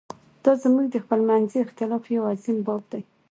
دا زموږ د خپلمنځي اختلاف یو عظیم باب دی.